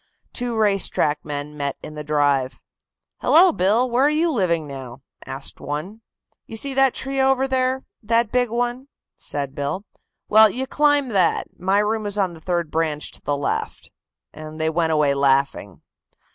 Two race track men met in the drive. "Hello, Bill; where are you living now?" asked one. "You see that tree over there that big one?" said Bill. "Well, you climb that. My room is on the third branch to the left," and they went away laughing.